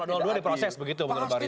kalau dua diproses begitu menurut pak riza